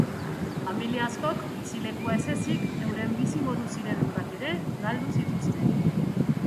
Familia askok bizilekua ez ezik, euren bizimodu ziren lurrak ere galdu zituzten.